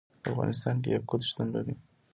په افغانستان کې یاقوت شتون لري.